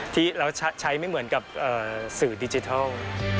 ที่เราใช้ไม่เหมือนกับสื่อดิจิทัล